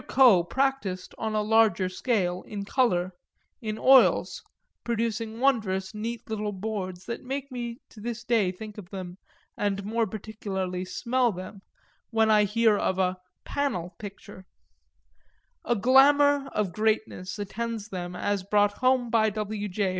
Coe practised on a larger scale, in colour, in oils, producing wondrous neat little boards that make me to this day think of them and more particularly smell them, when I hear of a "panel" picture: a glamour of greatness attends them as brought home by W. J.